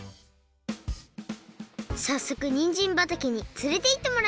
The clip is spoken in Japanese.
さっそくにんじんばたけにつれていってもらいました。